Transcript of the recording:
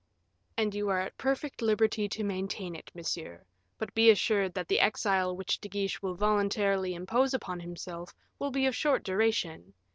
"And you are at perfect liberty to maintain it, monsieur; but be assured that the exile which De Guiche will voluntarily impose upon himself will be of short duration.